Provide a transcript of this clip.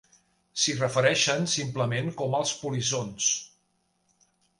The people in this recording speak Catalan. S'hi refereixen simplement com "els polissons".